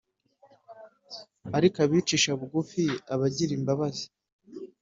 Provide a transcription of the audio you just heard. ariko abicisha bugufi abagirira imbabazi